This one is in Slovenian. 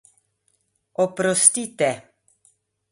Oprostite!